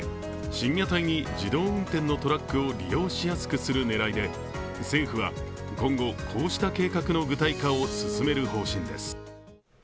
深夜帯に自動運転のトラックを利用しやすくする狙いで政府は今後、こうした計画の具体化を進める方針です。